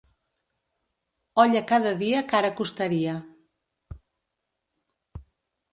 Olla cada dia cara costaria.